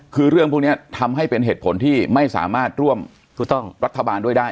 คือเรื่องพวกนี้ทำให้เป็นเหตุผลที่ไม่สามารถร่วมรัฐบาลด้วยได้